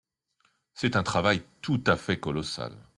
C’est un travail tout à fait colossal.